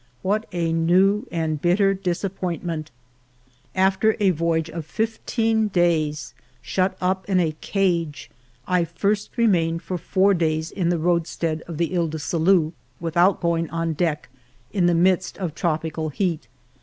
What a new and bitter disappointment ! After a voyage of fifteen days shut up in a cage, I first remained for four days in the road stead of the lies du Salut without going on deck, in the midst of tropical heat.